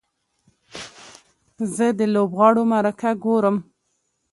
زه د لوبغاړو مرکه ګورم.